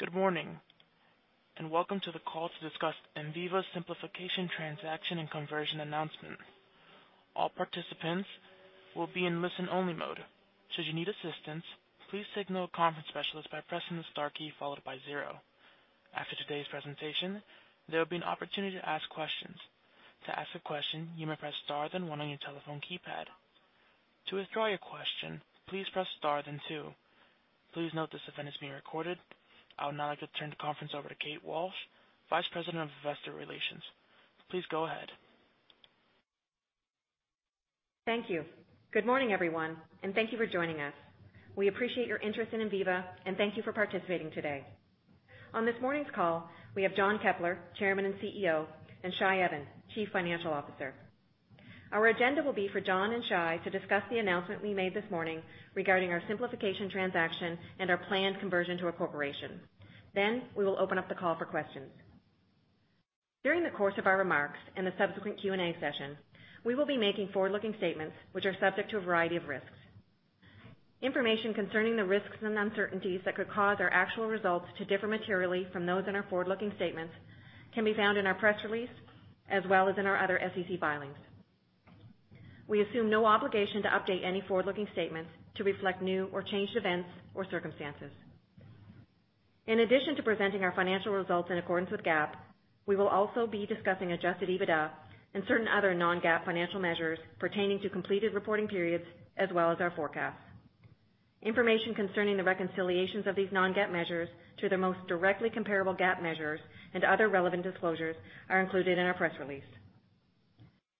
Good morning, and welcome to the call to discuss Enviva's simplification transaction and conversion announcement. I would now like to turn the conference over to Kate Walsh, Vice President of Investor Relations. Please go ahead. Thank you. Good morning, everyone, and thank you for joining us. We appreciate your interest in Enviva, and thank you for participating today. On this morning's call, we have John Keppler, Chairman and CEO, and Shai Even, Chief Financial Officer. Our agenda will be for John and Shai to discuss the announcement we made this morning regarding our simplification transaction and our planned conversion to a corporation. We will open up the call for questions. During the course of our remarks and the subsequent Q&A session, we will be making forward-looking statements which are subject to a variety of risks. Information concerning the risks and uncertainties that could cause our actual results to differ materially from those in our forward-looking statements can be found in our press release, as well as in our other SEC filings. We assume no obligation to update any forward-looking statements to reflect new or changed events or circumstances. In addition to presenting our financial results in accordance with GAAP, we will also be discussing adjusted EBITDA and certain other non-GAAP financial measures pertaining to completed reporting periods, as well as our forecasts. Information concerning the reconciliations of these non-GAAP measures to their most directly comparable GAAP measures and other relevant disclosures are included in our press release.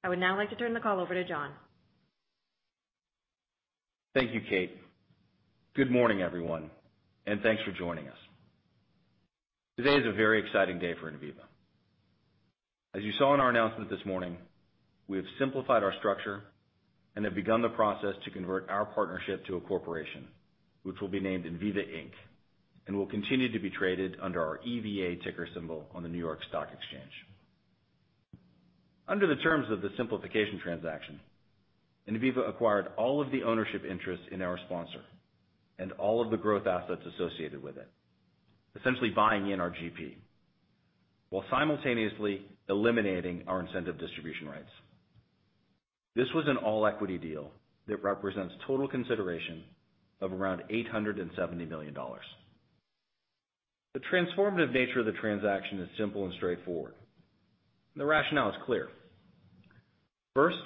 I would now like to turn the call over to John. Thank you, Kate. Good morning, everyone, and thanks for joining us. Today is a very exciting day for Enviva. As you saw in our announcement this morning, we have simplified our structure and have begun the process to convert our partnership to a corporation, which will be named Enviva Inc. will continue to be traded under our EVA ticker symbol on the New York Stock Exchange. Under the terms of the simplification transaction, Enviva acquired all of the ownership interest in our sponsor and all of the growth assets associated with it, essentially buying in our GP, while simultaneously eliminating our incentive distribution rights. This was an all-equity deal that represents total consideration of around $870 million. The transformative nature of the transaction is simple and straightforward. The rationale is clear. First,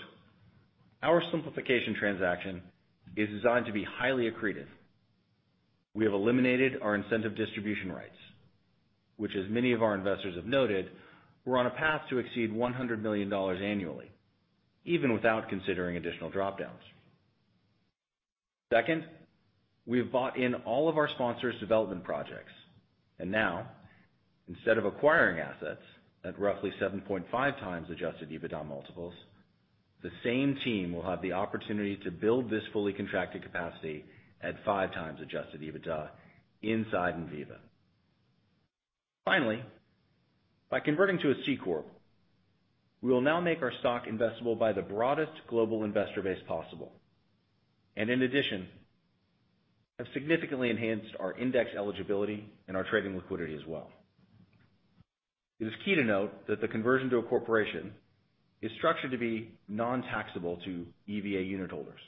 our simplification transaction is designed to be highly accretive. We have eliminated our incentive distribution rights, which, as many of our investors have noted, were on a path to exceed $100 million annually, even without considering additional drop-downs. Second, we have bought in all of our sponsors' development projects. Now, instead of acquiring assets at roughly 7.5x adjusted EBITDA multiples, the same team will have the opportunity to build this fully contracted capacity at 5x adjusted EBITDA inside Enviva. Finally, by converting to a C corp, we will now make our stock investable by the broadest global investor base possible, and in addition, have significantly enhanced our index eligibility and our trading liquidity as well. It is key to note that the conversion to a corporation is structured to be non-taxable to EVA unitholders.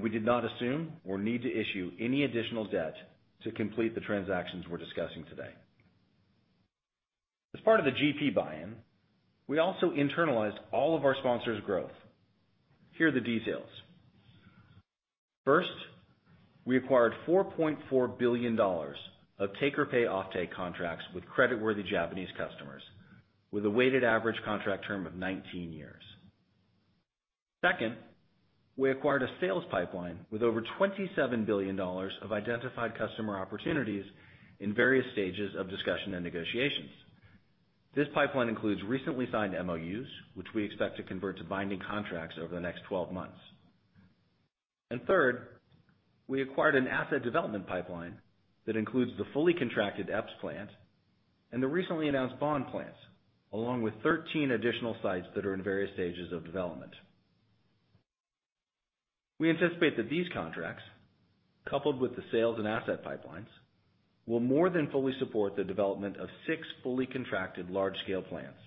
We did not assume or need to issue any additional debt to complete the transactions we're discussing today. As part of the GP buy-in, we also internalized all of our sponsors' growth. Here are the details. First, we acquired $4.4 billion of take-or-pay offtake contracts with creditworthy Japanese customers, with a weighted average contract term of 19 years. Second, we acquired a sales pipeline with over $27 billion of identified customer opportunities in various stages of discussion and negotiations. This pipeline includes recently signed MOUs, which we expect to convert to binding contracts over the next 12 months. Third, we acquired an asset development pipeline that includes the fully contracted Epes plant and the recently announced Bond plants, along with 13 additional sites that are in various stages of development. We anticipate that these contracts, coupled with the sales and asset pipelines, will more than fully support the development of six fully contracted large-scale plants,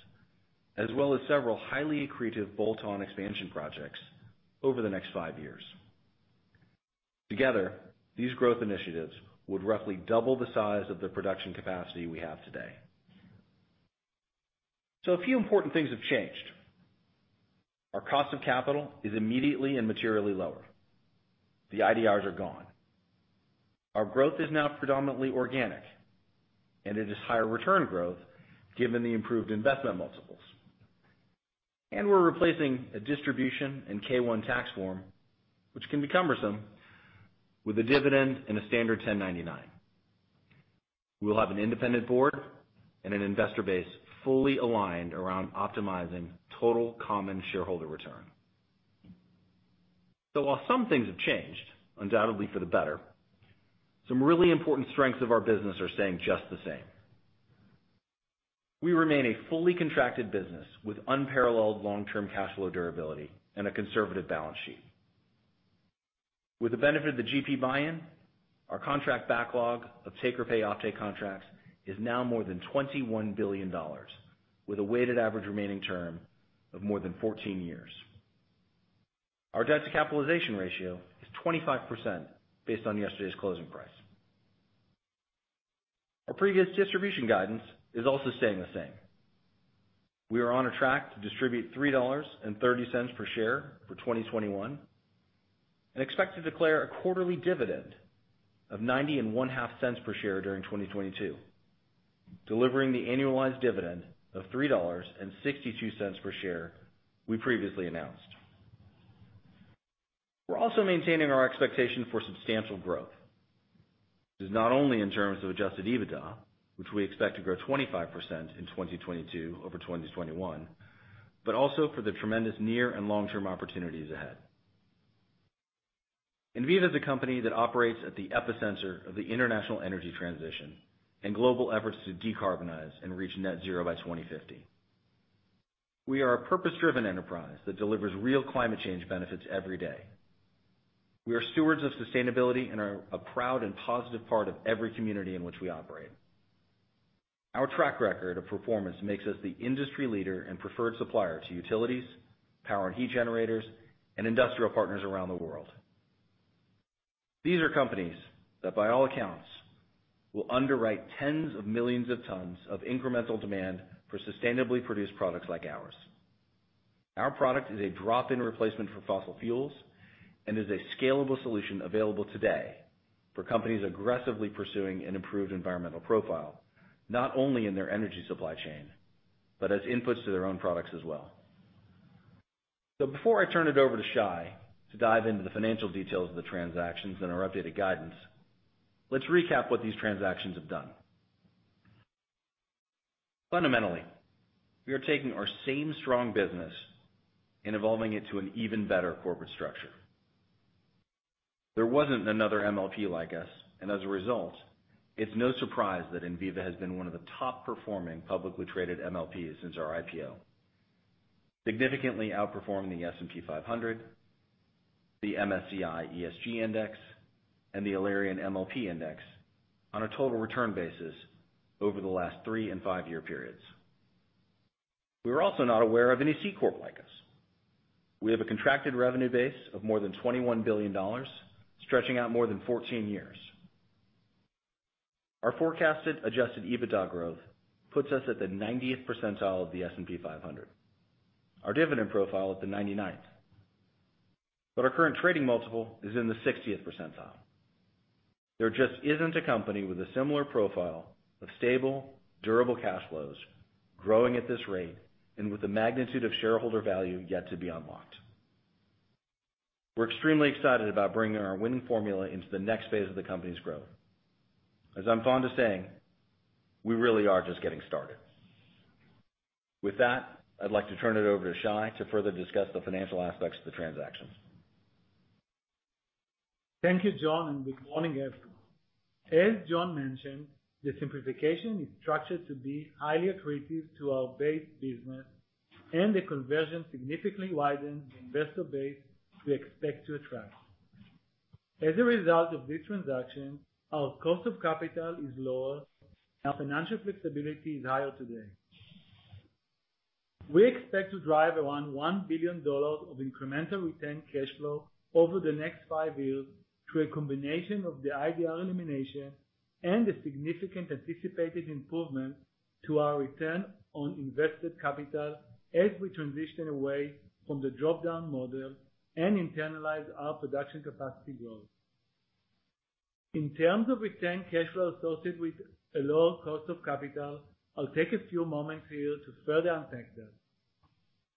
as well as several highly accretive bolt-on expansion projects over the next five years. Together, these growth initiatives would roughly double the size of the production capacity we have today. A few important things have changed. Our cost of capital is immediately and materially lower. The IDRs are gone. Our growth is now predominantly organic, and it is higher return growth given the improved investment multiples. We're replacing a distribution and Schedule K-1 tax form, which can be cumbersome, with a dividend and a standard IRS Form 1099-DIV. We will have an independent board and an investor base fully aligned around optimizing total common shareholder return. While some things have changed, undoubtedly for the better, some really important strengths of our business are staying just the same. We remain a fully contracted business with unparalleled long-term cash flow durability and a conservative balance sheet. With the benefit of the GP buy-in, our contract backlog of take-or-pay offtake contracts is now more than $21 billion, with a weighted average remaining term of more than 14 years. Our debt to capitalization ratio is 25% based on yesterday's closing price. Our previous distribution guidance is also staying the same. We are on a track to distribute $3.30 per share for 2021, and expect to declare a quarterly dividend of $0.905 per share during 2022, delivering the annualized dividend of $3.62 per share we previously announced. We're also maintaining our expectation for substantial growth. This is not only in terms of adjusted EBITDA, which we expect to grow 25% in 2022 over 2021, but also for the tremendous near and long-term opportunities ahead. Enviva is a company that operates at the epicenter of the international energy transition and global efforts to decarbonize and reach net zero by 2050. We are a purpose-driven enterprise that delivers real climate change benefits every day. We are stewards of sustainability and are a proud and positive part of every community in which we operate. Our track record of performance makes us the industry leader and preferred supplier to utilities, power and heat generators, and industrial partners around the world. These are companies that, by all accounts, will underwrite tens of millions of tons of incremental demand for sustainably produced products like ours. Our product is a drop-in replacement for fossil fuels and is a scalable solution available today for companies aggressively pursuing an improved environmental profile, not only in their energy supply chain, but as inputs to their own products as well. Before I turn it over to Shai to dive into the financial details of the transactions and our updated guidance, let's recap what these transactions have done. Fundamentally, we are taking our same strong business and evolving it to an even better corporate structure. There wasn't another MLP like us, and as a result, it's no surprise that Enviva has been one of the top performing publicly traded MLPs since our IPO. Significantly outperforming the S&P 500, the MSCI ESG Index, and the Alerian MLP Index on a total return basis over the last three and five-year periods. We were also not aware of any C corp like us. We have a contracted revenue base of more than $21 billion, stretching out more than 14 years. Our forecasted adjusted EBITDA growth puts us at the 90th percentile of the S&P 500. Our dividend profile at the 99th. Our current trading multiple is in the 60th percentile. There just isn't a company with a similar profile of stable, durable cash flows growing at this rate and with the magnitude of shareholder value yet to be unlocked. We're extremely excited about bringing our winning formula into the next phase of the company's growth. As I'm fond of saying, we really are just getting started. With that, I'd like to turn it over to Shai to further discuss the financial aspects of the transactions. Thank you, John, and good morning, everyone. As John mentioned, the simplification is structured to be highly accretive to our base business, and the conversion significantly widens the investor base we expect to attract. As a result of this transaction, our cost of capital is lower and our financial flexibility is higher today. We expect to drive around $1 billion of incremental retained cash flow over the next five years through a combination of the IDR elimination and a significant anticipated improvement to our return on invested capital as we transition away from the drop-down model and internalize our production capacity growth. In terms of retained cash flow associated with a lower cost of capital, I'll take a few moments here to further unpack that.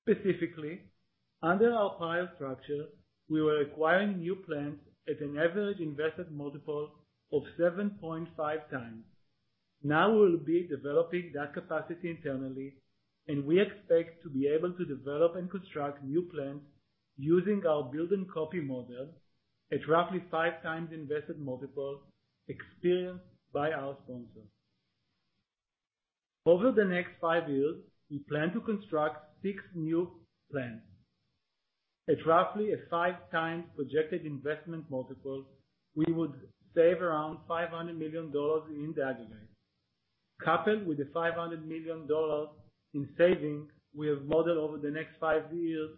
Specifically, under our prior structure, we were acquiring new plants at an average invested multiple of 7.5x. Now we'll be developing that capacity internally, and we expect to be able to develop and construct new plants using our build and copy model at roughly 5x invested multiple experienced by our sponsors. Over the next five years, we plan to construct six new plants. At roughly a 5x projected investment multiple, we would save $500 million in the aggregate. Coupled with the $500 million in savings we have modeled over the next five years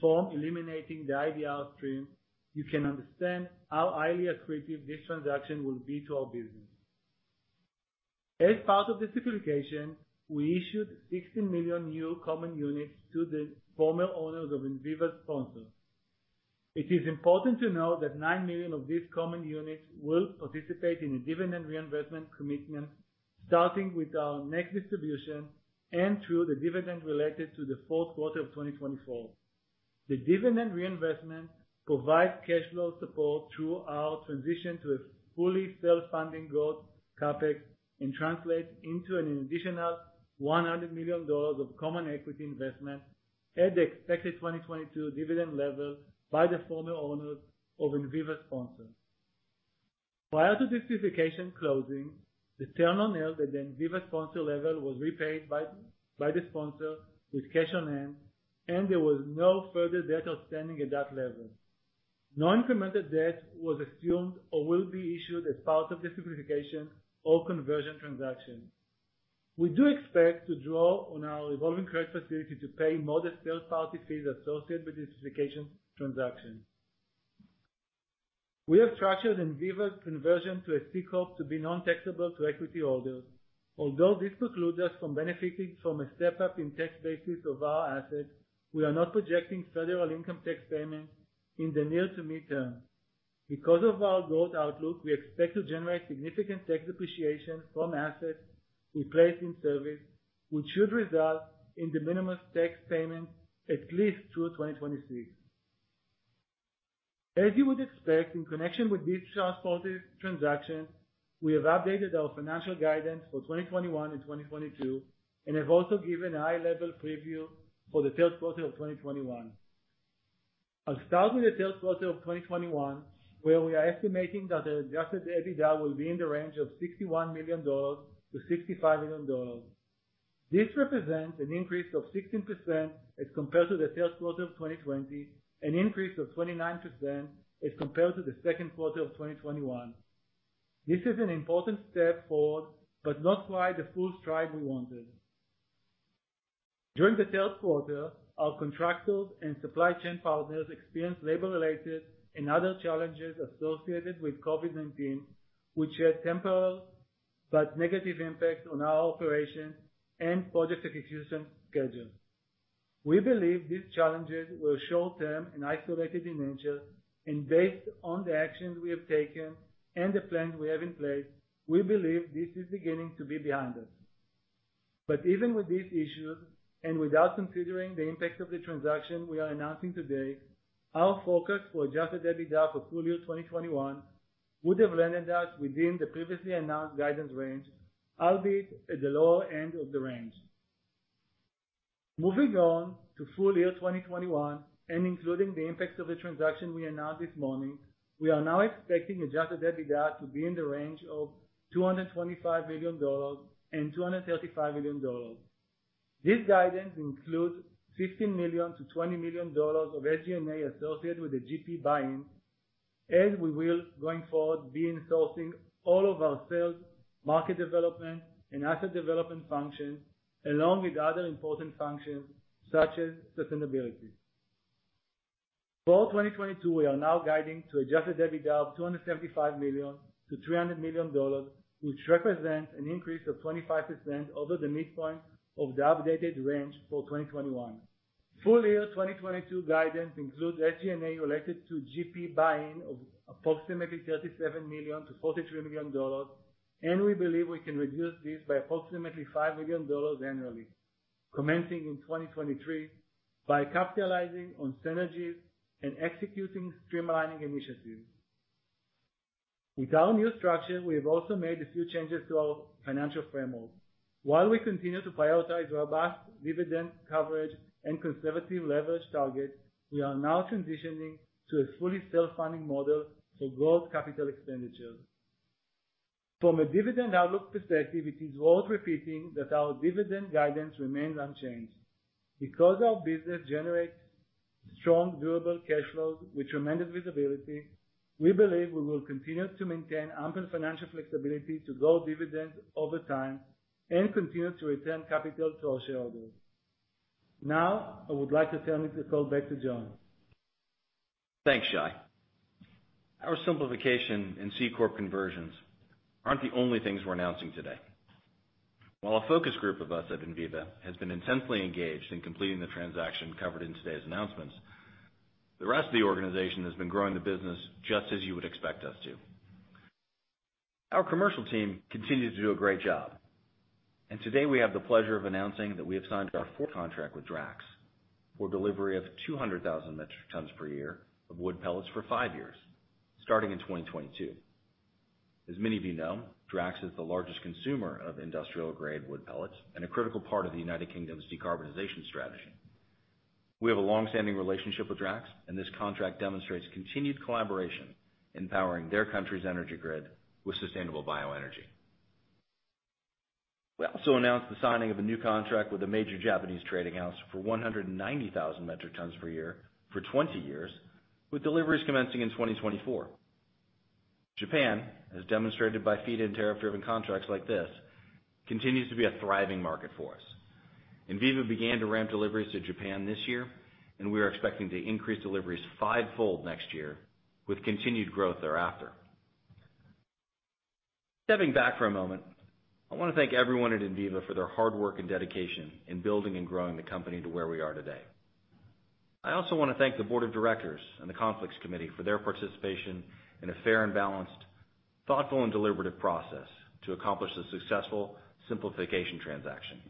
from eliminating the IDR stream, you can understand how highly accretive this transaction will be to our business. As part of the simplification, we issued 16 million new common units to the former owners of Enviva's sponsors. It is important to note that nine million of these common units will participate in a dividend reinvestment commitment starting with our next distribution and through the dividend related to the fourth quarter of 2024. The dividend reinvestment provides cash flow support through our transition to a fully self-funding growth CapEx and translates into an additional $100 million of common equity investment at the expected 2022 dividend levels by the former owners of Enviva sponsors. Prior to this simplification closing, the term loan at the Enviva sponsor level was repaid by the sponsor with cash on hand. There was no further debt outstanding at that level. No incremental debt was assumed or will be issued as part of the simplification or conversion transaction. We do expect to draw on our revolving credit facility to pay modest third-party fees associated with the simplification transaction. We have structured Enviva's conversion to a C corp to be non-taxable to equity holders. Although this precludes us from benefiting from a step-up in tax basis of our assets, we are not projecting federal income tax payments in the near to mid-term. Because of our growth outlook, we expect to generate significant tax depreciation from assets we place in service, which should result in de minimis tax payments at least through 2026. As you would expect, in connection with this transformative transaction, we have updated our financial guidance for 2021 and 2022, and have also given a high-level preview for the third quarter of 2021. I'll start with the third quarter of 2021, where we are estimating that the adjusted EBITDA will be in the range of $61 million-$65 million. This represents an increase of 16% as compared to the third quarter of 2020, an increase of 29% as compared to the second quarter of 2021. This is an important step forward, but not quite the full stride we wanted. During the third quarter, our contractors and supply chain partners experienced labor-related and other challenges associated with COVID-19, which had temporal but negative impact on our operations and project execution schedules. We believe these challenges were short-term and isolated in nature. Based on the actions we have taken and the plans we have in place, we believe this is beginning to be behind us. Even with these issues, and without considering the impact of the transaction we are announcing today, our focus for adjusted EBITDA for full-year 2021 would have landed us within the previously announced guidance range, albeit at the lower end of the range. Moving on to full-year 2021, including the impacts of the transaction we announced this morning, we are now expecting adjusted EBITDA to be in the range of $225 million-$235 million. This guidance includes $15 million-$20 million of SG&A associated with the GP buy-in, as we will, going forward, be insourcing all of our sales, market development, and asset development functions, along with other important functions such as sustainability. For all 2022, we are now guiding to adjusted EBITDA of $275 million-$300 million, which represents an increase of 25% over the midpoint of the updated range for 2021. Full-year 2022 guidance includes SG&A related to GP buy-in of approximately $37 million-$43 million, and we believe we can reduce this by approximately $5 million annually, commencing in 2023, by capitalizing on synergies and executing streamlining initiatives. With our new structure, we have also made a few changes to our financial framework. While we continue to prioritize robust dividend coverage and conservative leverage targets, we are now transitioning to a fully self-funding model for growth capital expenditures. From a dividend outlook perspective, it is worth repeating that our dividend guidance remains unchanged. Because our business generates strong durable cash flows with tremendous visibility, we believe we will continue to maintain ample financial flexibility to grow dividends over time and continue to return capital to our shareholders. Now, I would like to turn the call back to John. Thanks, Shai. Our simplification and C-corp conversions aren't the only things we're announcing today. While a focus group of us at Enviva has been intensely engaged in completing the transaction covered in today's announcements, the rest of the organization has been growing the business just as you would expect us to. Our commercial team continues to do a great job. Today we have the pleasure of announcing that we have signed our fourth contract with Drax for delivery of 200,000 metric tons per year of wood pellets for five years, starting in 2022. As many of you know, Drax Power Station is the largest consumer of industrial-grade wood pellets and a critical part of the United Kingdom's decarbonization strategy. We have a long-standing relationship with Drax Power Station, and this contract demonstrates continued collaboration in powering their country's energy grid with sustainable bioenergy. We also announced the signing of a new contract with a major Japanese trading house for 190,000 metric tons per year for 20 years, with deliveries commencing in 2024. Japan, as demonstrated by feed-in tariff-driven contracts like this, continues to be a thriving market for us. Enviva began to ramp deliveries to Japan this year, and we are expecting to increase deliveries fivefold next year, with continued growth thereafter. Stepping back for a moment, I want to thank everyone at Enviva for their hard work and dedication in building and growing the company to where we are today. I also want to thank the board of directors and the Conflicts Committee for their participation in a fair and balanced, thoughtful and deliberative process to accomplish the successful simplification transaction.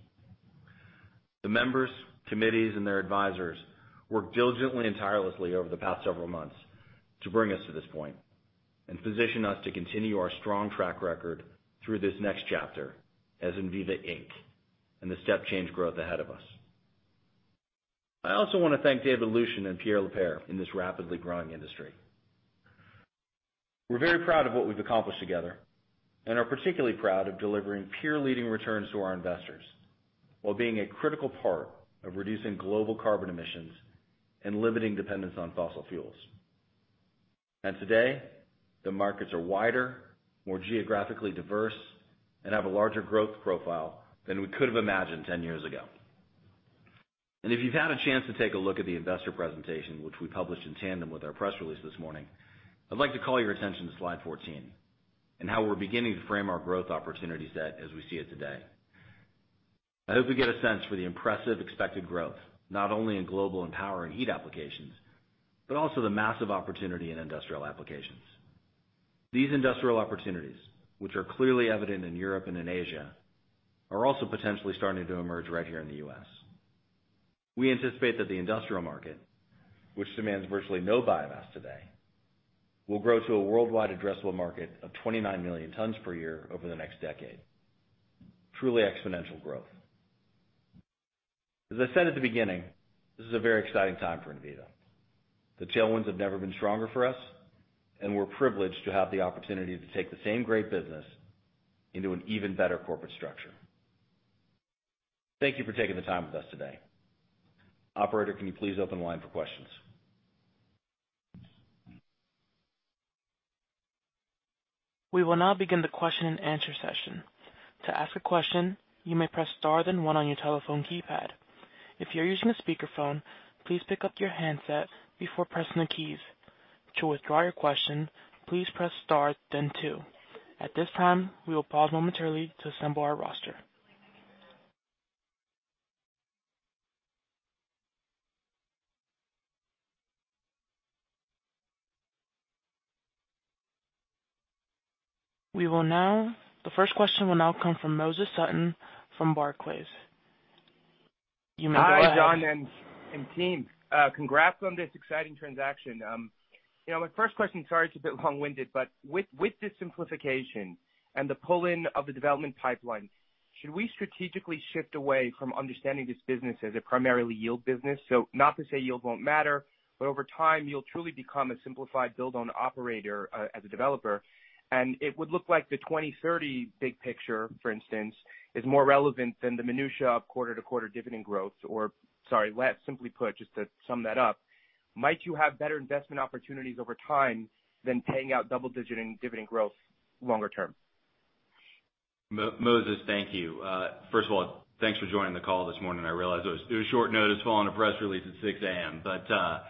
The members, committees, and their advisors worked diligently and tirelessly over the past several months to bring us to this point and position us to continue our strong track record through this next chapter as Enviva Inc. and the step-change growth ahead of us. I also want to thank in this rapidly growing industry. We're very proud of what we've accomplished together and are particularly proud of delivering peer-leading returns to our investors while being a critical part of reducing global carbon emissions and limiting dependence on fossil fuels. Today, the markets are wider, more geographically diverse, and have a larger growth profile than we could have imagined 10 years ago. If you've had a chance to take a look at the investor presentation, which we published in tandem with our press release this morning, I'd like to call your attention to slide 14 and how we're beginning to frame our growth opportunity set as we see it today. I hope we get a sense for the impressive expected growth, not only in global and power and heat applications, but also the massive opportunity in industrial applications. These industrial opportunities, which are clearly evident in Europe and in Asia, are also potentially starting to emerge right here in the U.S. We anticipate that the industrial market, which demands virtually no biomass today, will grow to a worldwide addressable market of 29 million tons per year over the next decade. Truly exponential growth. As I said at the beginning, this is a very exciting time for Enviva. The tailwinds have never been stronger for us, and we're privileged to have the opportunity to take the same great business into an even better corporate structure. Thank you for taking the time with us today. Operator, can you please open the line for questions? We will now begin the question and answer session. To ask a question, you may press star then one on your telephone keypad. If you're using a speakerphone, please pick up your handset before pressing the keys. To withdraw your question, please press star then two. At this time, we will pause momentarily to assemble our roster. The first question will now come from Moses Sutton from Barclays. You may go ahead. Hi, John and team. Congrats on this exciting transaction. My first question, sorry, it's a bit long-winded, but with the simplification and the pull-in of the development pipeline, should we strategically shift away from understanding this business as a primarily yield business? Not to say yield won't matter, but over time, you'll truly become a simplified build-on operator as a developer. It would look like the 2030 big picture, for instance, is more relevant than the minutia of quarter-to-quarter dividend growth, sorry, simply put, just to sum that up, might you have better investment opportunities over time than paying out double-digit dividend growth longer term? Moses, thank you. First of all, thanks for joining the call this morning. I realize it was short notice following a press release at 6:00 A.M.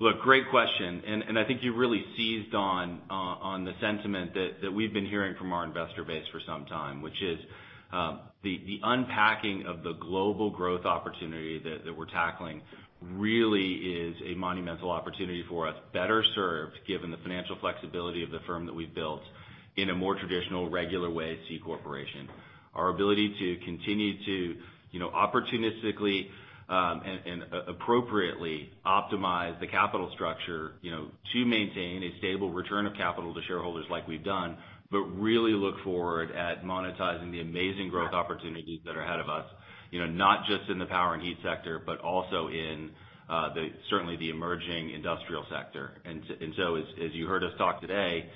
Look, great question. I think you really seized on the sentiment that we've been hearing from our investor base for some time, which is the unpacking of the global growth opportunity that we're tackling really is a monumental opportunity for us, better served given the financial flexibility of the firm that we've built in a more traditional, regular way C corporation. Our ability to continue to opportunistically and appropriately optimize the capital structure to maintain a stable return of capital to shareholders like we've done, but really look forward at monetizing the amazing growth opportunities that are ahead of us, not just in the power and heat sector, but also in certainly the emerging industrial sector. As you heard us talk today,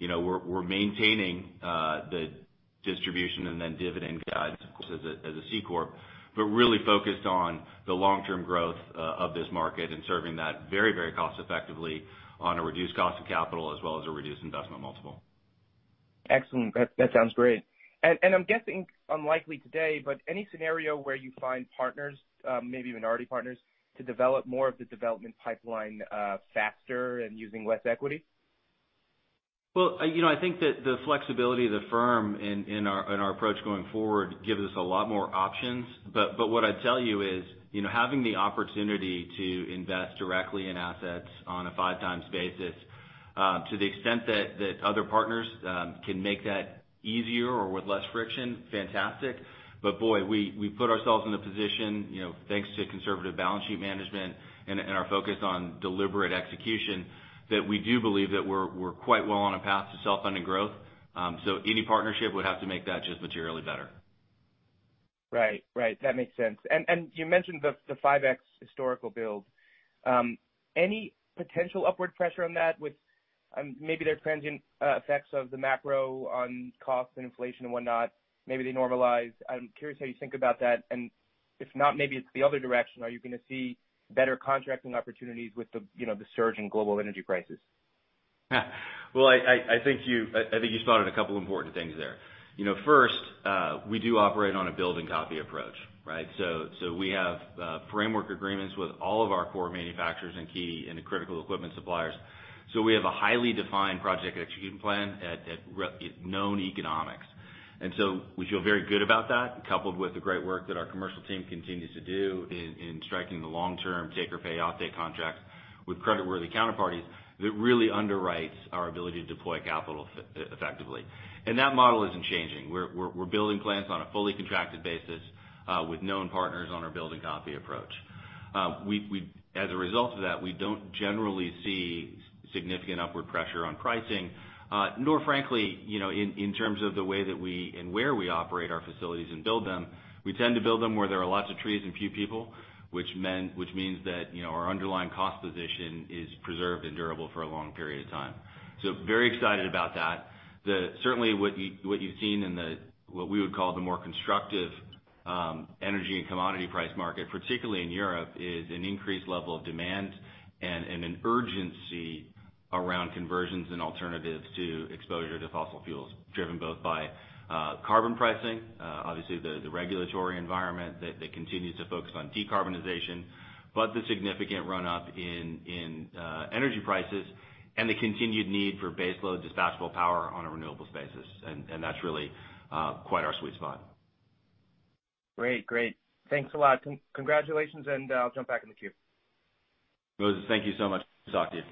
we're maintaining the distribution and then dividend guides, of course, as a C corp, but really focused on the long-term growth of this market and serving that very cost effectively on a reduced cost of capital as well as a reduced investment multiple. Excellent. That sounds great. I'm guessing unlikely today, but any scenario where you find partners, maybe minority partners, to develop more of the development pipeline faster and using less equity? I think that the flexibility of the firm in our approach going forward gives us a lot more options. What I'd tell you is having the opportunity to invest directly in assets on a 5x basis to the extent that other partners can make that easier or with less friction, fantastic. Boy, we put ourselves in a position, thanks to conservative balance sheet management and our focus on deliberate execution, that we do believe that we're quite well on a path to self-funded growth. Any partnership would have to make that just materially better. Right. That makes sense. You mentioned the 5x historical build. Any potential upward pressure on that with maybe their transient effects of the macro on cost and inflation and whatnot? Maybe they normalize. I'm curious how you think about that, and if not, maybe it's the other direction. Are you going to see better contracting opportunities with the surge in global energy prices? I think you spotted a couple important things there. First, we do operate on a build and copy approach, right? We have framework agreements with all of our core manufacturers and key and critical equipment suppliers. We feel very good about that, coupled with the great work that our commercial team continues to do in striking the long-term take-or-pay offtake contracts with creditworthy counterparties that really underwrites our ability to deploy capital effectively. That model isn't changing. We're building plants on a fully contracted basis with known partners on our build and copy approach. As a result of that, we don't generally see significant upward pressure on pricing, nor frankly, in terms of the way that we and where we operate our facilities and build them. We tend to build them where there are lots of trees and few people, which means that our underlying cost position is preserved and durable for a long period of time. Very excited about that. Certainly what you've seen in the, what we would call the more constructive energy and commodity price market, particularly in Europe, is an increased level of demand and an urgency around conversions and alternatives to exposure to fossil fuels, driven both by carbon pricing, obviously the regulatory environment that continues to focus on decarbonization, but the significant run-up in energy prices and the continued need for base load dispatchable power on a renewable basis. That's really quite our sweet spot. Great. Thanks a lot. Congratulations, and I'll jump back in the queue. Moses, thank you so much. Good to talk to you.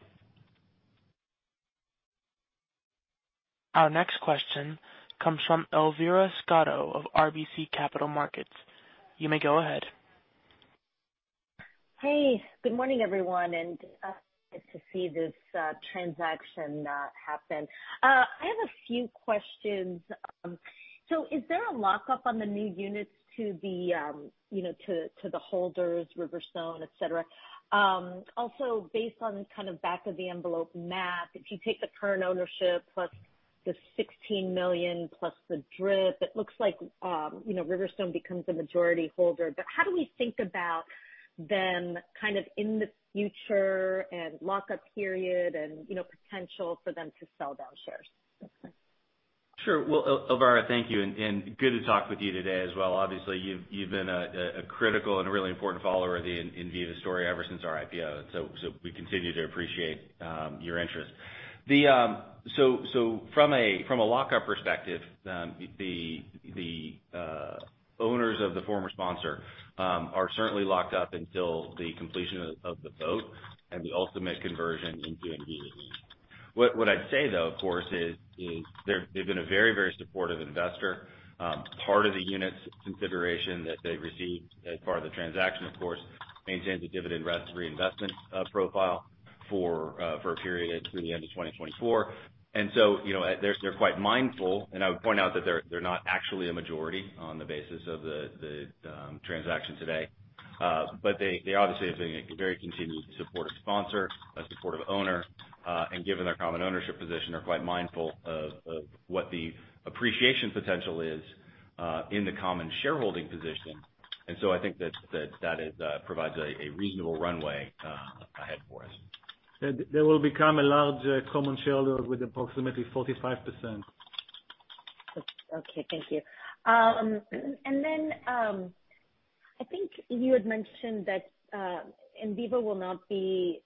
Our next question comes from Elvira Scotto of RBC Capital Markets. You may go ahead. Hey, good morning, everyone, and good to see this transaction happen. I have a few questions. Is there a lockup on the new units to the holders, Riverstone, et cetera? Based on kind of back of the envelope math, if you take the current ownership plus the $16 million plus the DRIP, it looks like Riverstone becomes a majority holder. How do we think about them kind of in the future and lockup period and potential for them to sell down shares? Thanks. Sure. Well, Elvira, thank you. Good to talk with you today as well. Obviously, you've been a critical and a really important follower of the Enviva story ever since our IPO. We continue to appreciate your interest. From a lockup perspective, the owners of the former sponsor are certainly locked up until the completion of the vote and the ultimate conversion into Enviva units. What I'd say, though, of course, is they've been a very supportive investor. Part of the units consideration that they've received as part of the transaction, of course, maintains a dividend reinvestment profile for a period through the end of 2024. They're quite mindful, and I would point out that they're not actually a majority on the basis of the transaction today. They obviously have been a very continuously supportive sponsor, a supportive owner, and given their common ownership position, are quite mindful of what the appreciation potential is in the common shareholding position. I think that provides a reasonable runway ahead for us. They will become a large common shareholder with approximately 45%. Okay, thank you. I think you had mentioned that Enviva will not be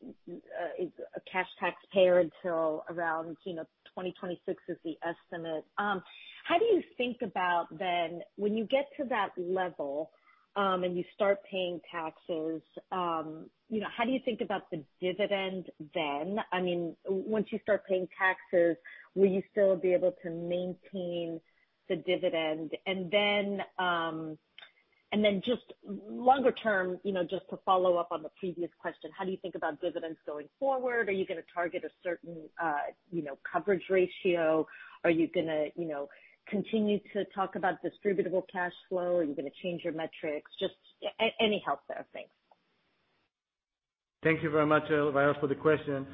a cash taxpayer until around 2026 is the estimate. How do you think about then, when you get to that level and you start paying taxes, how do you think about the dividend then? Once you start paying taxes, will you still be able to maintain the dividend? Just longer term, just to follow up on the previous question, how do you think about dividends going forward? Are you going to target a certain coverage ratio? Are you going to continue to talk about distributable cash flow? Are you going to change your metrics? Just any help there. Thanks. Thank you very much, Elvira, for the question.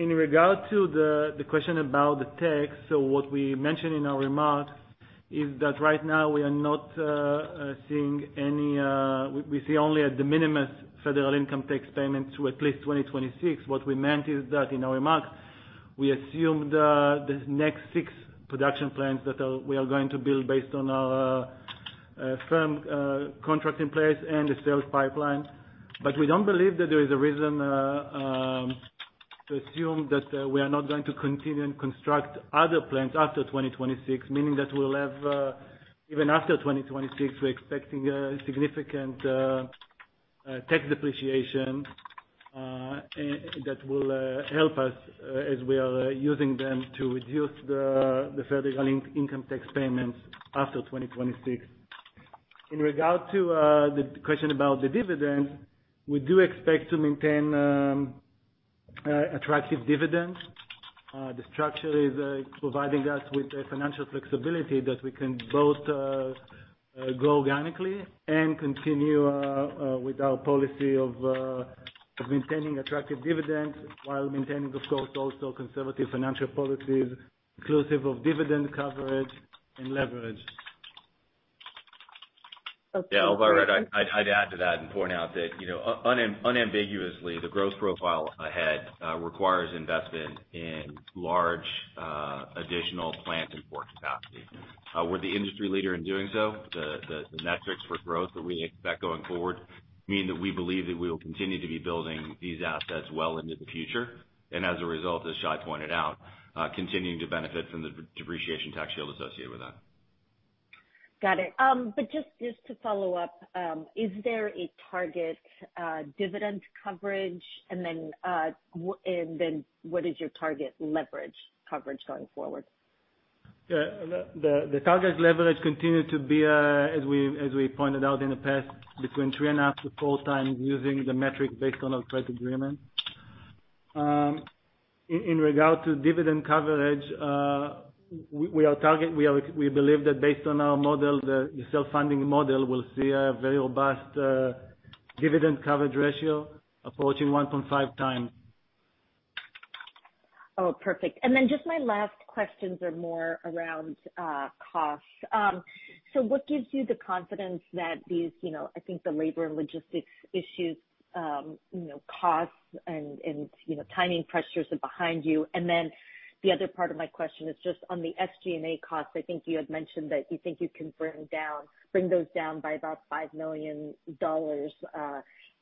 In regard to the question about the tax, what we mentioned in our remarks is that right now we see only a de minimis federal income tax payment through at least 2026. What we meant is that in our remarks, we assumed the next six production plants that we are going to build based on our firm contract in place and the sales pipeline. We don't believe that there is a reason to assume that we are not going to continue and construct other plants after 2026, meaning that even after 2026, we're expecting a significant tax depreciation that will help us as we are using them to reduce the federal income tax payments after 2026. In regard to the question about the dividend, we do expect to maintain attractive dividends. The structure is providing us with financial flexibility that we can both grow organically and continue with our policy of maintaining attractive dividends while maintaining, of course, also conservative financial policies inclusive of dividend coverage and leverage. Okay. Yeah. Elvira, I'd add to that and point out that, unambiguously, the growth profile ahead requires investment in large additional plant and port capacity. We're the industry leader in doing so. The metrics for growth that we expect going forward mean that we believe that we will continue to be building these assets well into the future. As a result, as Shai pointed out, continuing to benefit from the depreciation tax shield associated with that. Got it. Just to follow up, is there a target dividend coverage? What is your target leverage coverage going forward? The target leverage continued to be, as we pointed out in the past, between 3.5x-4x using the metric based on our credit agreement. In regard to dividend coverage, we believe that based on our model, the self-funding model, we'll see a very robust Dividend coverage ratio approaching 1.5.x Oh, perfect. Just my last questions are more around costs. What gives you the confidence that these, I think the labor and logistics issues, costs and timing pressures are behind you? The other part of my question is just on the SG&A costs. I think you had mentioned that you think you can bring those down by about $5 million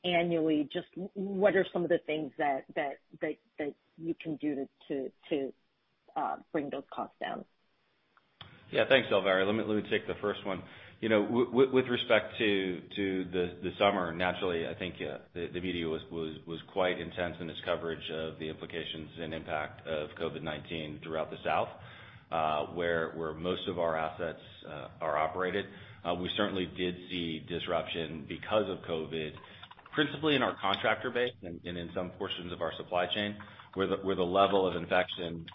annually. Just what are some of the things that you can do to bring those costs down? Thanks, Elvira. Let me take the first one. With respect to the summer, naturally, I think the media was quite intense in its coverage of the implications and impact of COVID-19 throughout the South, where most of our assets are operated. We certainly did see disruption because of COVID, principally in our contractor base and in some portions of our supply chain, where the level of infection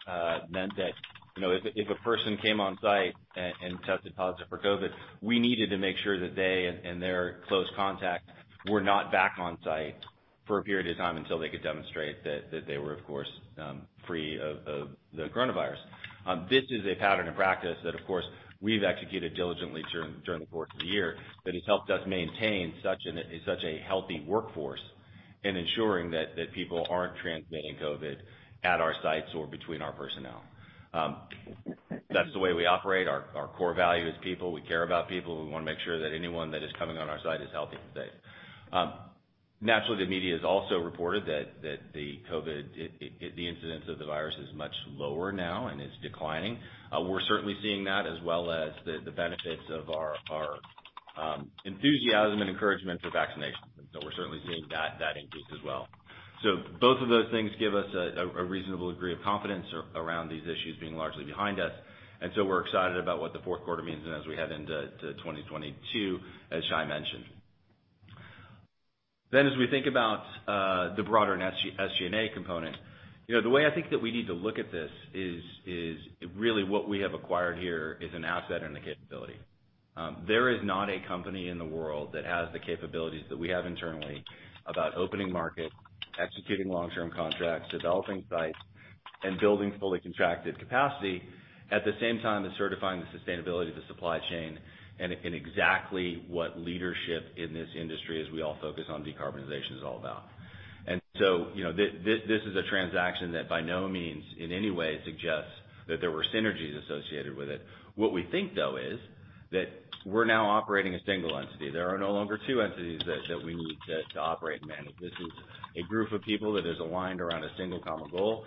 meant that if a person came on site and tested positive for COVID, we needed to make sure that they and their close contacts were not back on site for a period of time until they could demonstrate that they were, of course, free of the coronavirus. This is a pattern of practice that, of course, we've executed diligently during the course of the year that has helped us maintain such a healthy workforce in ensuring that people aren't transmitting COVID at our sites or between our personnel. That's the way we operate. Our core value is people. We care about people. We want to make sure that anyone that is coming on our site is healthy and safe. Naturally, the media has also reported that the COVID, the incidence of the virus is much lower now, and it's declining. We're certainly seeing that as well as the benefits of our enthusiasm and encouragement for vaccinations. We're certainly seeing that increase as well. Both of those things give us a reasonable degree of confidence around these issues being largely behind us. We're excited about what the fourth quarter means, and as we head into 2022, as Shai mentioned. As we think about the broader SG&A component, the way I think that we need to look at this is really what we have acquired here is an asset and a capability. There is not a company in the world that has the capabilities that we have internally about opening markets, executing long-term contracts, developing sites, and building fully contracted capacity, at the same time as certifying the sustainability of the supply chain and in exactly what leadership in this industry, as we all focus on decarbonization, is all about. This is a transaction that by no means in any way suggests that there were synergies associated with it. What we think, though, is that we're now operating a single entity. There are no longer two entities that we need to operate and manage. This is a group of people that is aligned around a single common goal,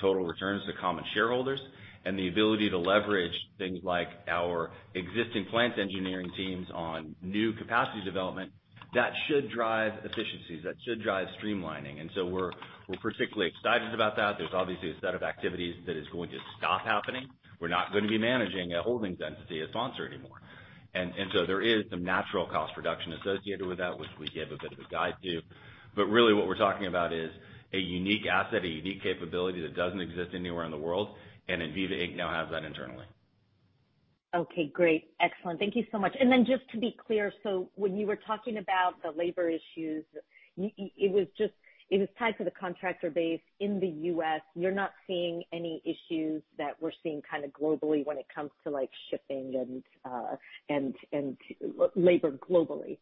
total returns to common shareholders, and the ability to leverage things like our existing plant engineering teams on new capacity development. That should drive efficiencies. That should drive streamlining. We're particularly excited about that. There's obviously a set of activities that is going to stop happening. We're not going to be managing a holdings entity, a sponsor anymore. There is some natural cost reduction associated with that, which we give a bit of a guide to. Really what we're talking about is a unique asset, a unique capability that doesn't exist anywhere in the world, and Enviva Inc. now has that internally. Okay, great. Excellent. Thank you so much. Just to be clear, when you were talking about the labor issues, it was tied to the contractor base in the U.S. You're not seeing any issues that we're seeing kind of globally when it comes to shipping and labor globally?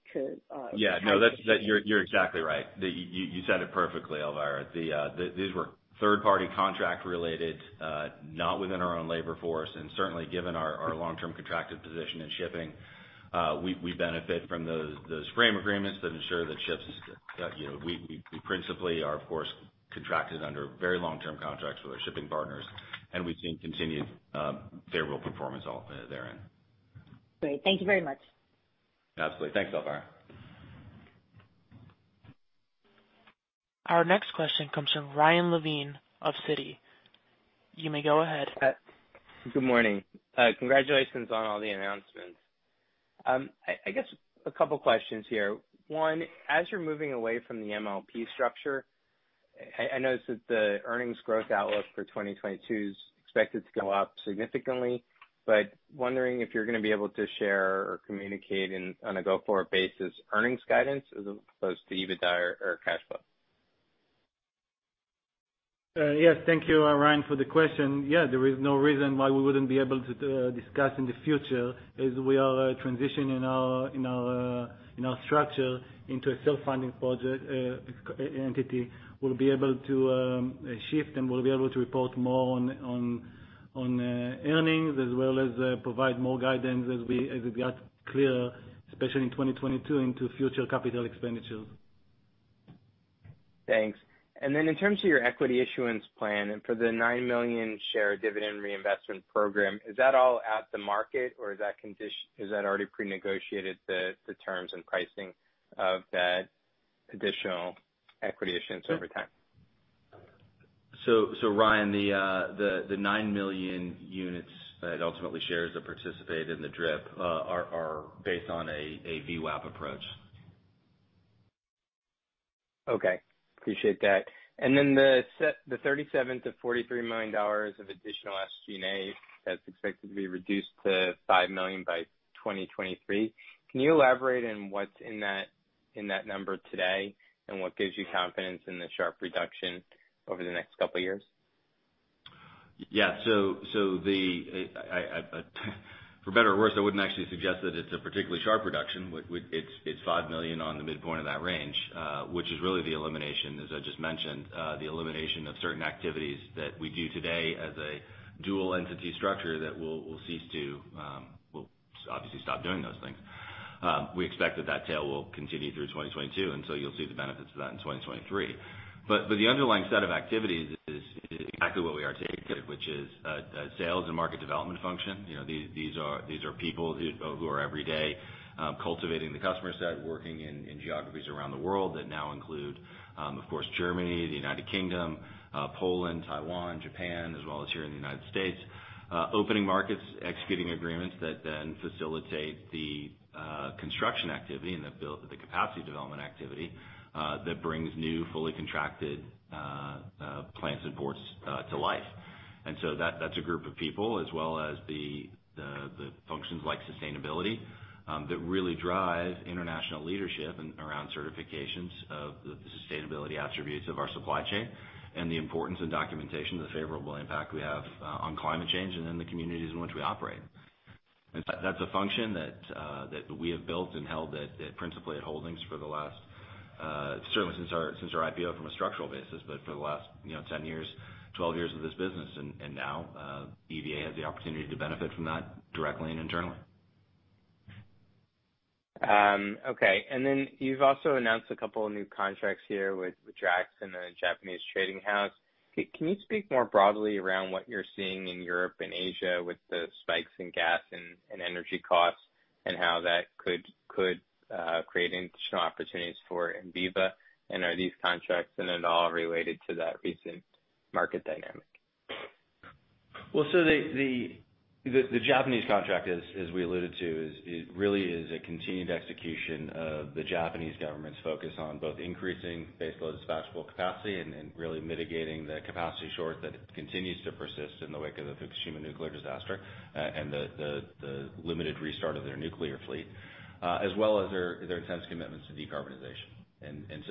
Yeah. No, you're exactly right. You said it perfectly, Elvira. These were third-party contract related, not within our own labor force. Certainly given our long-term contracted position in shipping, we benefit from those frame agreements that ensure that We principally are, of course, contracted under very long-term contracts with our shipping partners. We've seen continued very real performance there in. Great. Thank you very much. Absolutely. Thanks, Elvira. Our next question comes from Ryan Levine of Citi. You may go ahead. Good morning. Congratulations on all the announcements. I guess a couple questions here. One, as you're moving away from the MLP structure, I noticed that the earnings growth outlook for 2022 is expected to go up significantly, but wondering if you're going to be able to share or communicate on a go-forward basis earnings guidance as opposed to EBITDA or cash flow? Yes. Thank you, Ryan, for the question. Yeah, there is no reason why we wouldn't be able to discuss in the future as we are transitioning our structure into a self-funding project entity. We'll be able to shift, and we'll be able to report more on earnings as well as provide more guidance as we get clear, especially in 2022, into future capital expenditures. Thanks. Then in terms of your equity issuance plan for the nine million share dividend reinvestment program, is that all at the market, or is that already prenegotiated, the terms and pricing of that additional equity issuance over time? Ryan, the nine million units that ultimately shares or participate in the DRIP are based on a VWAP approach. Okay. Appreciate that. The $37 million-$43 million of additional SG&A that's expected to be reduced to $5 million by 2023. Can you elaborate on what's in that number today and what gives you confidence in the sharp reduction over the next couple of years? Yeah. For better or worse, I wouldn't actually suggest that it's a particularly sharp reduction. It's $5 million on the midpoint of that range, which is really the elimination, as I just mentioned. The elimination of certain activities that we do today as a dual entity structure that we'll obviously stop doing those things. We expect that that tail will continue through 2022. You'll see the benefits of that in 2023. The underlying set of activities is exactly what we articulated, which is a sales and market development function. These are people who are, every day, cultivating the customer set, working in geographies around the world that now include, of course, Germany, the United Kingdom, Poland, Taiwan, Japan, as well as here in the U.S. Opening markets, executing agreements that facilitate the construction activity and the capacity development activity that brings new, fully contracted plants and ports to life. That's a group of people as well as the functions like sustainability that really drive international leadership around certifications of the sustainability attributes of our supply chain, and the importance of documentation of the favorable impact we have on climate change and in the communities in which we operate. That's a function that we have built and held principally at holdings certainly since our IPO from a structural basis, but for the last 10 years, 12 years of this business. Now, EVA has the opportunity to benefit from that directly and internally. Okay. Then you've also announced a couple of new contracts here with Drax and a Japanese trading house. Can you speak more broadly around what you're seeing in Europe and Asia with the spikes in gas and energy costs, and how that could create additional opportunities for Enviva? Are these contracts in at all related to that recent market dynamic? Well, the Japanese contract, as we alluded to, really is a continued execution of the Japanese government's focus on both increasing baseload dispatchable capacity and really mitigating the capacity short that continues to persist in the wake of the Fukushima nuclear disaster, and the limited restart of their nuclear fleet. As well as their intense commitments to decarbonization.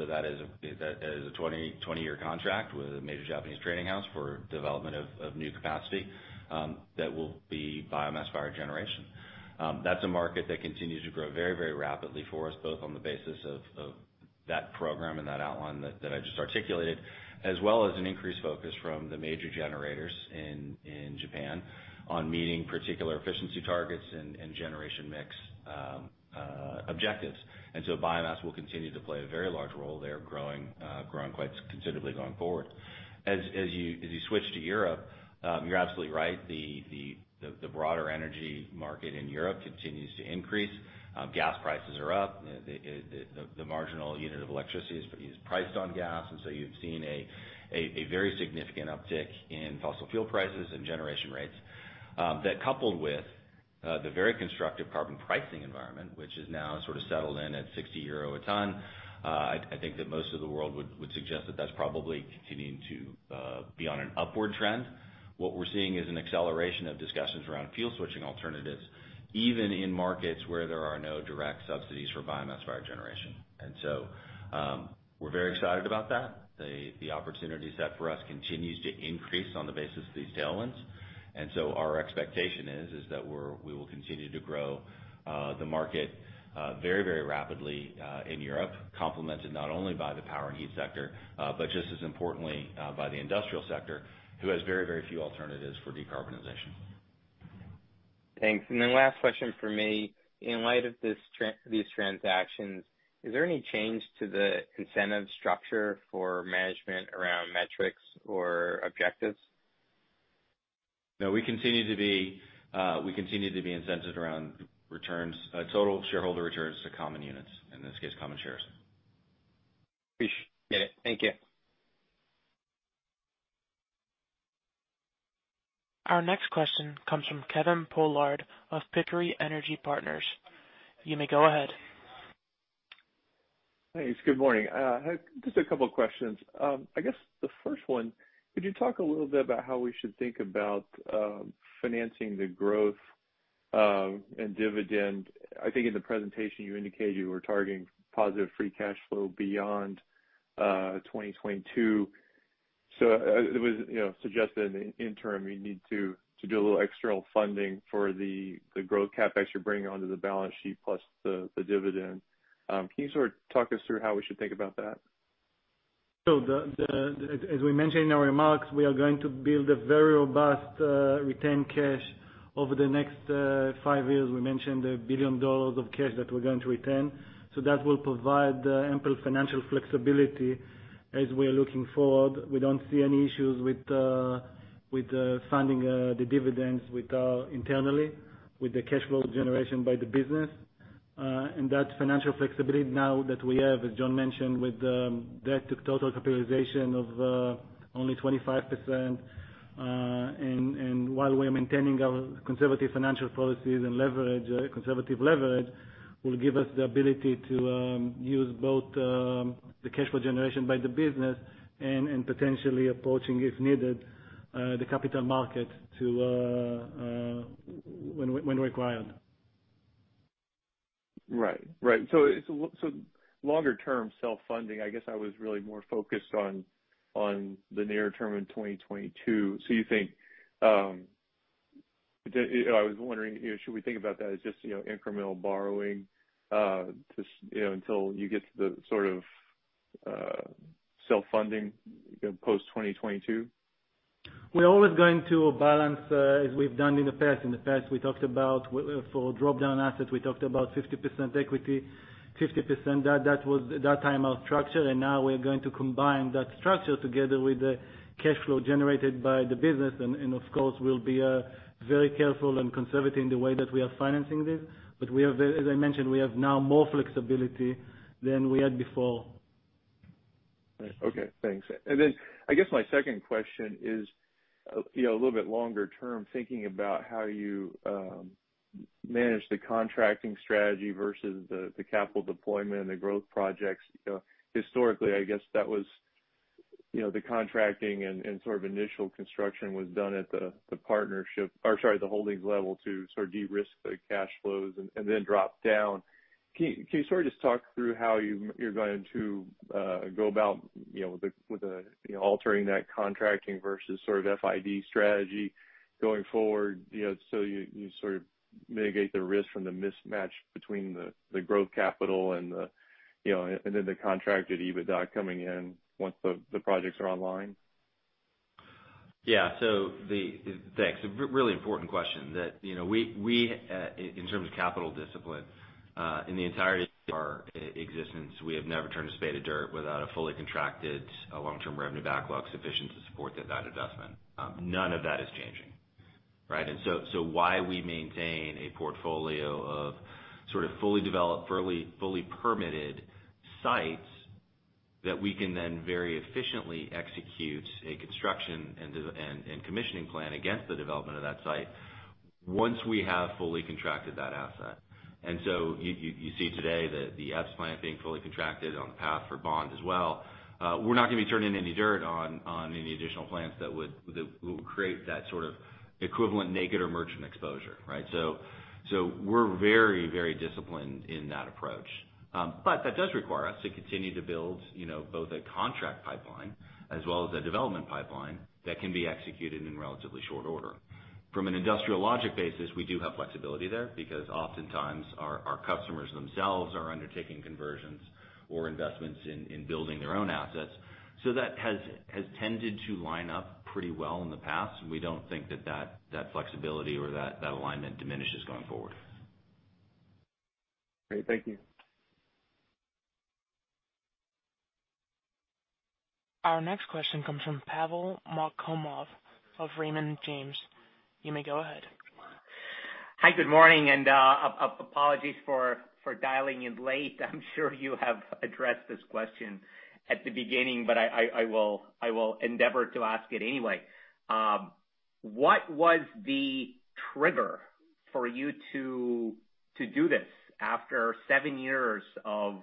That is a 20-year contract with a major Japanese trading house for development of new capacity that will be biomass power generation. That's a market that continues to grow very rapidly for us, both on the basis of that program and that outline that I just articulated, as well as an increased focus from the major generators in Japan on meeting particular efficiency targets and generation mix objectives. Biomass will continue to play a very large role there, growing quite considerably going forward. As you switch to Europe, you're absolutely right. The broader energy market in Europe continues to increase. Gas prices are up. The marginal unit of electricity is priced on gas, you've seen a very significant uptick in fossil fuel prices and generation rates. That coupled with the very constructive carbon pricing environment, which has now sort of settled in at 60 euro a ton. I think that most of the world would suggest that that's probably continuing to be on an upward trend. What we're seeing is an acceleration of discussions around fuel switching alternatives, even in markets where there are no direct subsidies for biomass-fired generation. We're very excited about that. The opportunity set for us continues to increase on the basis of these tailwinds. Our expectation is that we will continue to grow the market very rapidly in Europe, complemented not only by the power and heat sector, but just as importantly, by the industrial sector, who has very few alternatives for decarbonization. Thanks. Last question from me. In light of these transactions, is there any change to the incentive structure for management around metrics or objectives? No. We continue to be incented around total shareholder returns to common units. In this case, common shares. Appreciate it. Thank you. Our next question comes from Kevin Pollard of Pickering Energy Partners. You may go ahead. Thanks. Good morning. Just a couple of questions. I guess the first one, could you talk a little bit about how we should think about financing the growth and dividend? I think in the presentation you indicated you were targeting positive free cash flow beyond 2022. It was suggested that in interim, you need to do a little external funding for the growth CapEx you're bringing onto the balance sheet, plus the dividend. Can you sort of talk us through how we should think about that? As we mentioned in our remarks, we are going to build a very robust retained cash over the next five years. We mentioned the $1 billion of cash that we're going to retain. That will provide ample financial flexibility as we're looking forward. We don't see any issues with funding the dividends internally, with the cash flow generation by the business. That financial flexibility now that we have, as John mentioned, with debt to total capitalization of only 25%, while we're maintaining our conservative financial policies and conservative leverage. Will give us the ability to use both the cash flow generation by the business and potentially approaching, if needed, the capital market when required. Right. Longer term self-funding, I guess I was really more focused on the near term in 2022. I was wondering, should we think about that as just incremental borrowing until you get to the sort of self-funding post 2022? We're always going to balance, as we've done in the past. In the past, we talked about for drop-down assets, we talked about 50% equity, 50% debt. That was that time our structure. Now we're going to combine that structure together with the cash flow generated by the business. Of course, we'll be very careful and conservative in the way that we are financing this. As I mentioned, we have now more flexibility than we had before. Right. Okay, thanks. Then I guess my second question is a little bit longer term, thinking about how you manage the contracting strategy versus the capital deployment and the growth projects. Historically, I guess that was the contracting and sort of initial construction was done at the holdings level to sort of de-risk the cash flows and then drop down. Can you sort of just talk through how you're going to go about altering that contracting versus sort of FID strategy going forward, so you sort of mitigate the risk from the mismatch between the growth capital and then the contracted EBITDA coming in once the projects are online? Yeah. Thanks. A really important question. In terms of capital discipline, in the entirety of our existence, we have never turned a spade of dirt without a fully contracted long-term revenue backlog sufficient to support that investment. None of that is changing, right? Why we maintain a portfolio of sort of fully developed, fully permitted sites that we can then very efficiently execute a construction and commissioning plan against the development of that site once we have fully contracted that asset. You see today that the Epes plant being fully contracted on the path for Bond as well. We're not going to be turning any dirt on any additional plants that would create that sort of equivalent naked or merchant exposure, right? We're very disciplined in that approach. That does require us to continue to build both a contract pipeline as well as a development pipeline that can be executed in relatively short order. From an industrial logic basis, we do have flexibility there because oftentimes our customers themselves are undertaking conversions or investments in building their own assets. That has tended to line up pretty well in the past, and we don't think that flexibility or that alignment diminishes going forward. Great. Thank you. Our next question comes from Pavel Molchanov of Raymond James. You may go ahead. Hi, good morning. Apologies for dialing in late. I'm sure you have addressed this question at the beginning. I will endeavor to ask it anyway. What was the trigger for you to do this after seven years of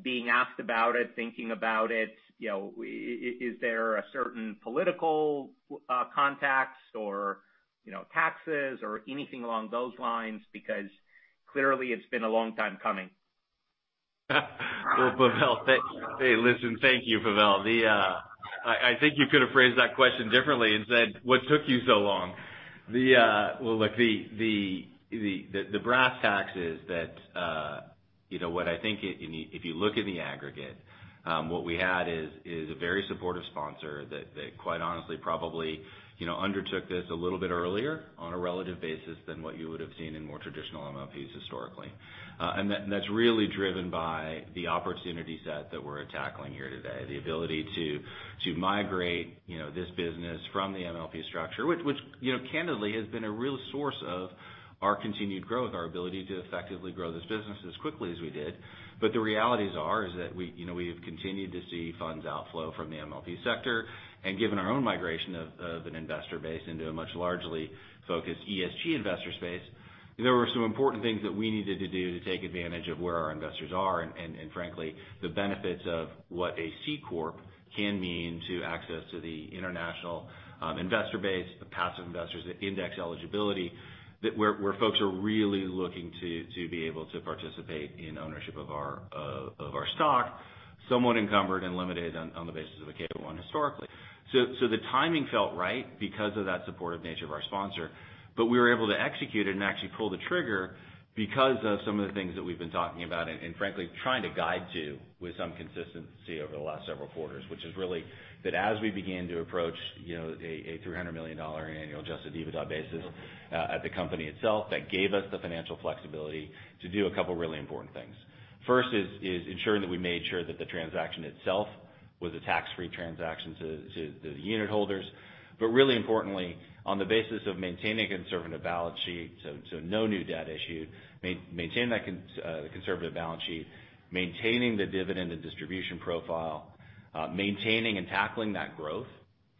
being asked about it, thinking about it? Is there a certain political context or taxes or anything along those lines? Clearly it's been a long time coming. Well, Pavel, hey, listen. Thank you, Pavel. I think you could have phrased that question differently and said, "What took you so long?" Well, look, the brass tacks is that what I think if you look in the aggregate, what we had is a very supportive sponsor that quite honestly probably undertook this a little bit earlier on a relative basis than what you would have seen in more traditional MLPs historically. That's really driven by the opportunity set that we're tackling here today. The ability to migrate this business from the MLP structure, which candidly has been a real source of our continued growth, our ability to effectively grow this business as quickly as we did. The realities are, is that we have continued to see funds outflow from the MLP sector, and given our own migration of an investor base into a much largely focused ESG investor space. There were some important things that we needed to do to take advantage of where our investors are, and frankly, the benefits of what a C corp can mean to access to the international investor base, the passive investors, the index eligibility, that where folks are really looking to be able to participate in ownership of our stock, somewhat encumbered and limited on the basis of a Schedule K-1 historically. The timing felt right because of that supportive nature of our sponsor, but we were able to execute it and actually pull the trigger because of some of the things that we've been talking about and frankly, trying to guide to with some consistency over the last several quarters. Which is really that as we began to approach a $300 million annual adjusted EBITDA basis at the company itself, that gave us the financial flexibility to do a couple really important things. First is ensuring that we made sure that the transaction itself was a tax-free transaction to the unit holders. Really importantly, on the basis of maintaining a conservative balance sheet, so no new debt issued. Maintaining the conservative balance sheet, maintaining the dividend and distribution profile, maintaining and tackling that growth,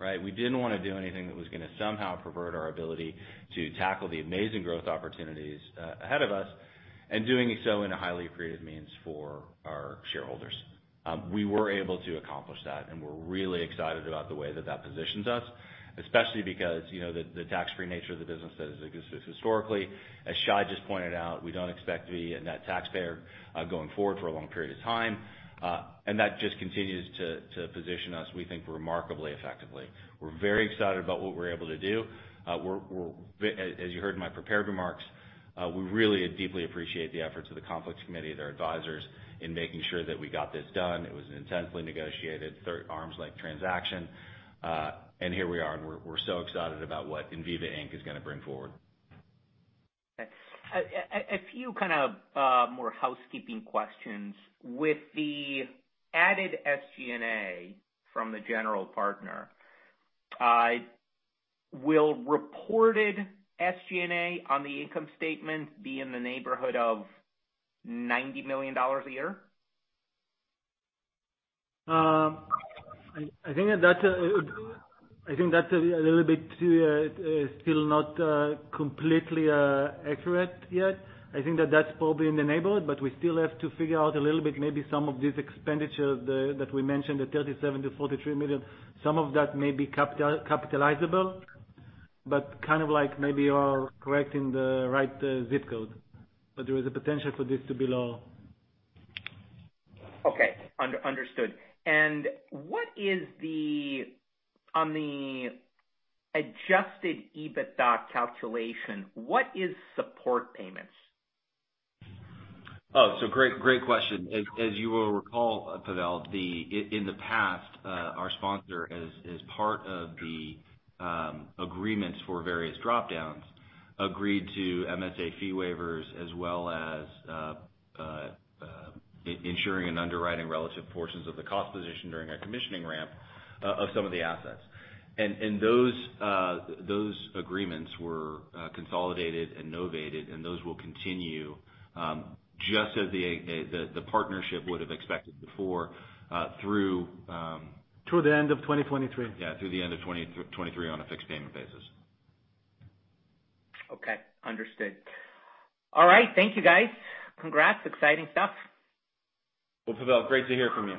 right? We didn't want to do anything that was going to somehow pervert our ability to tackle the amazing growth opportunities ahead of us and doing so in a highly accretive means for our shareholders. We were able to accomplish that, and we're really excited about the way that that positions us, especially because the tax-free nature of the business that exists historically. As Shai just pointed out, we don't expect to be a net taxpayer going forward for a long period of time. That just continues to position us, we think, remarkably effectively. We're very excited about what we're able to do. As you heard in my prepared remarks, we really deeply appreciate the efforts of the Conflicts Committee, their advisors, in making sure that we got this done. It was an intensely negotiated arm's length transaction. Here we are, and we're so excited about what Enviva Inc. is going to bring forward. Okay. A few kind of more housekeeping questions. With the added SG&A from the general partner, will reported SG&A on the income statement be in the neighborhood of $90 million a year? I think that's a little bit still not completely accurate yet. I think that's probably in the neighborhood, but we still have to figure out a little bit, maybe some of these expenditures that we mentioned, the $37 million-$43 million, some of that may be capitalizable, but kind of like maybe you are correct in the right ZIP code. There is a potential for this to be low. Okay. Understood. On the adjusted EBITDA calculation, what is support payments? Great question. As you will recall, Pavel, in the past, our sponsor, as part of the agreements for various drop-downs, agreed to MSA fee waivers as well as ensuring and underwriting relative portions of the cost position during our commissioning ramp of some of the assets. Those agreements were consolidated and novated, and those will continue just as the partnership would have expected before. Through the end of 2023. Yeah, through the end of 2023 on a fixed payment basis. Okay. Understood. All right. Thank you, guys. Congrats. Exciting stuff. Pavel, great to hear from you.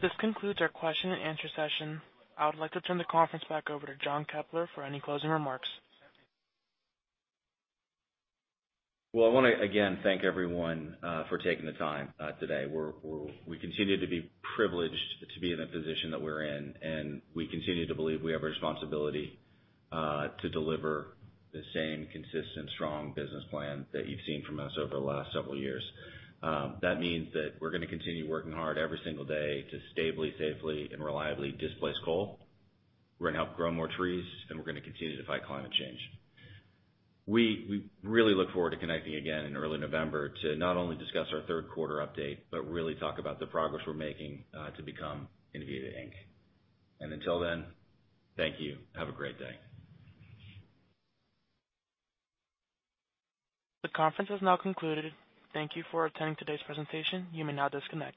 This concludes our question and answer session. I would like to turn the conference back over to John Keppler for any closing remarks. Well, I want to again thank everyone for taking the time today. We continue to be privileged to be in the position that we're in, and we continue to believe we have a responsibility to deliver the same consistent, strong business plan that you've seen from us over the last several years. That means that we're going to continue working hard every single day to stably, safely and reliably displace coal. We're going to help grow more trees, and we're going to continue to fight climate change. We really look forward to connecting again in early November to not only discuss our third quarter update, but really talk about the progress we're making to become Enviva Inc. Until then, thank you. Have a great day. The conference has now concluded. Thank you for attending today's presentation. You may now disconnect.